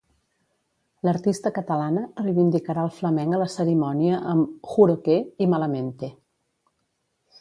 L'artista catalana reivindicarà el flamenc a la cerimònia amb 'Juro que'i 'Malamente'